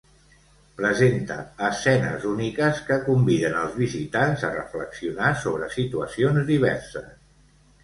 Presenta escenes úniques que conviden els visitants a reflexionar sobre situacions diverses.